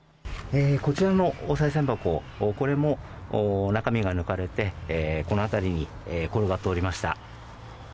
こちらのおさい銭箱、これも中身が抜かれて、この辺りに転がっておりました。